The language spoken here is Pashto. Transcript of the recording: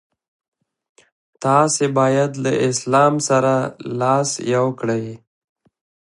تاسي باید له اسلام سره لاس یو کړئ.